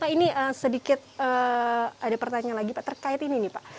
ini sedikit ada pertanyaan lagi pak terkait ini nih pak